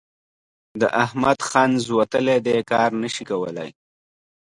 د احمد ښنځ وتلي دي؛ کار نه شي کولای.